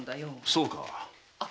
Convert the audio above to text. そうか。